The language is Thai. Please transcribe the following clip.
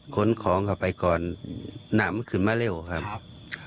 ขนของเข้าไปก่อนน้ำมันขึ้นมาเร็วครับ